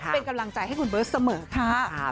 เป็นกำลังใจให้คุณเบิร์ตเสมอค่ะ